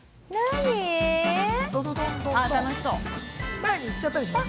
前に行っちゃったりします？